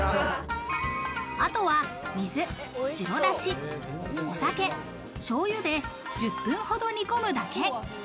あとは、水、白だし、お酒、醤油で１０分ほど煮込むだけ。